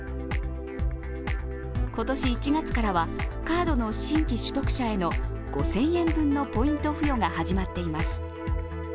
今年１月からはカードの新規取得者への５０００円分のポイント付与が始まっています。